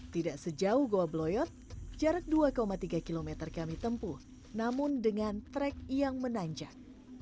tidak sejauh goa bloyot jarak dua tiga km kami tempuh namun dengan track yang menanjak